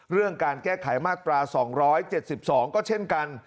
เรื่องการแก้ไขมาตรา๒๗๒ก็เช่นกัน